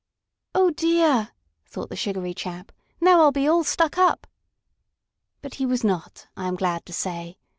"Oh, dear!" thought the sugary chap. "Now I'll be all stuck up!" But he was not, I am glad to say.